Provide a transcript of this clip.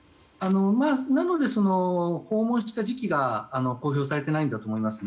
なので、訪問した時期が公表されていないんだと思います。